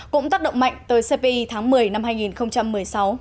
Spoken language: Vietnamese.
cũng tác động mạnh tới cpi tháng một mươi năm hai nghìn một mươi sáu